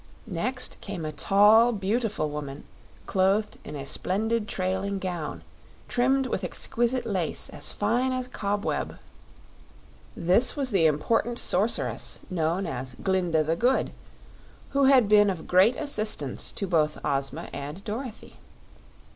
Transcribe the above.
Next came a tall, beautiful woman clothed in a splendid trailing gown, trimmed with exquisite lace as fine as cobweb. This was the important Sorceress known as Glinda the Good, who had been of great assistance to both Ozma and Dorothy.